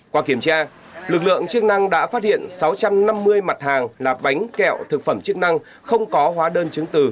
qua kiểm tra lực lượng chức năng đã phát hiện sáu trăm năm mươi mặt hàng là bánh kẹo thực phẩm chức năng không có hóa đơn chứng từ